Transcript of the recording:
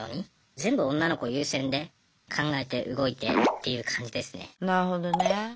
全部女の子優先で考えて動いてっていう感じですね。